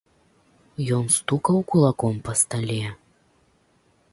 Ён стукаў кулаком па стале.